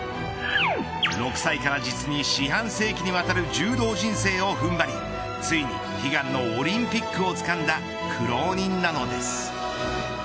６歳から実に四半世紀にわたる柔道人生を踏ん張りついに悲願のオリンピックをつかんだ苦労人なのです。